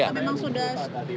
apakah memang sudah